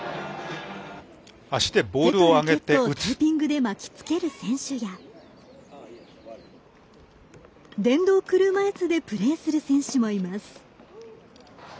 手とラケットをテーピングで巻きつける選手や電動車いすでプレーする選手もいます。